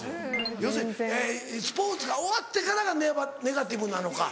要するにスポーツが終わってからがネガティブなのか